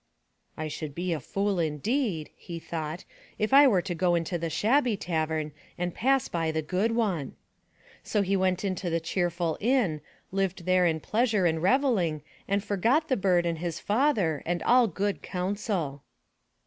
''I should be a fool indeed," he thought, "if I were to go into the shabby tavern and pass by the good one." So he went into the cheerful inn, Uved there in pleasure and revelling and forgot the bird and his father and all good counsel.